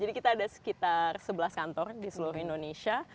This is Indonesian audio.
jadi kita ada sekitar sebelas kantor di seluruh indonesia